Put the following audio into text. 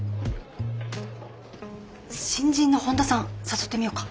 新人の本田さん誘ってみようか？